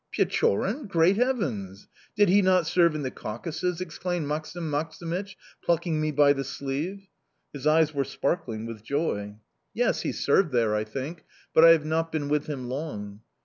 Pechorin? Great Heavens!... Did he not serve in the Caucasus?" exclaimed Maksim Maksimych, plucking me by the sleeve. His eyes were sparkling with joy. "Yes, he served there, I think but I have not been with him long."